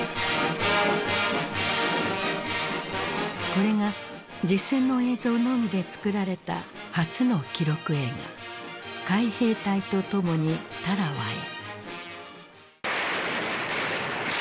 これが実戦の映像のみで作られた初の記録映画「海兵隊と共にタラワへ」。